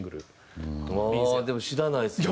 でも知らないですもんね。